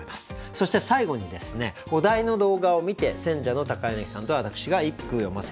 そして最後にですねお題の動画を観て選者の柳さんと私が一句詠ませて頂きます。